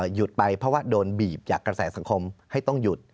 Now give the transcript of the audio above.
หยุดไปเพราะว่าโดนบีบจากกระแสสังคมให้ต้องหยุด